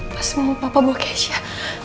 pasti mama papa buah kejah